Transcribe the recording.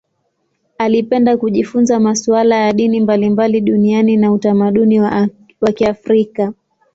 Alipenda kujifunza masuala ya dini mbalimbali duniani na utamaduni wa Kiafrika.